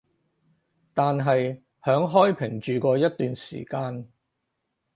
但係響開平住過一段時間